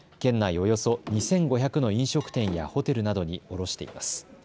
およそ２５００の飲食店やホテルなどに卸しています。